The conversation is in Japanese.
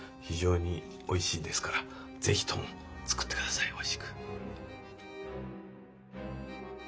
非常においしいですからぜひとも作ってくださいおいしく。